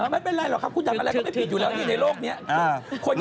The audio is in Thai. ไม่เป็นไรหรอกครับคุณทำอะไรก็ไม่ผิดอยู่แล้วนี่ในโลกนี้